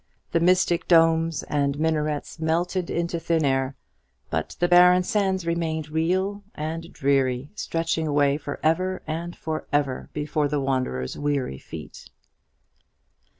The mystic domes and minarets melted into thin air; but the barren sands remained real and dreary, stretching away for ever and for ever before the wanderer's weary feet.